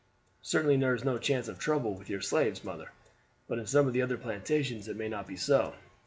"Certainly there is no chance of trouble with your slaves, mother; but in some of the other plantations it may not be so.